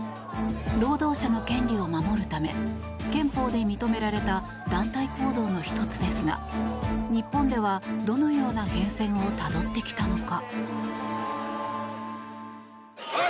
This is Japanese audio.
労働者の権利を守るため憲法で認められた団体行動の１つですが日本では、どのような変遷をたどってきたのか。